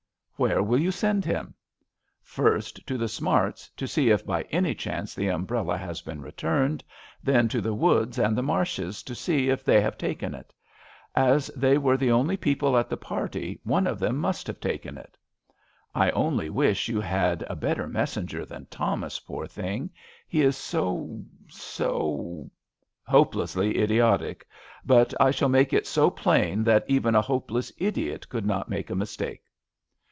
" Where will you send him ?*'" First to the Smarts, to see if by any chance the umbrella has been returned ; then to the Woods and the Marshs, to see if they have taken it. As they were the only people at the 134 A RAINY DAY. party one of them must have taken it." I only wish you had a better messenger than Thomas, poor thing ! he is so— so " "Hopelessly idiotic. But I shall make it so plain that even a hopeless idiot could not make a mistake."